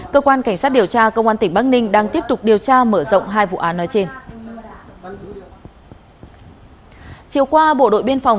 cơ quan cảnh sát điều tra công an tỉnh bắc ninh đang tiếp tục điều tra mở rộng hai vụ án nói trên